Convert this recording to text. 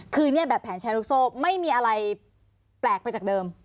คือเนี่ยแบบแผนแชร์ลูกโซ่ไม่มีอะไรแปลกไปจากเดิม